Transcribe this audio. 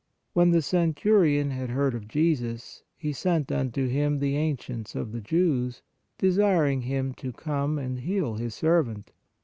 When the cen turion had heard of Jesus, he sent unto Him the ancients of the Jews, desiring Him to come and heal his servant.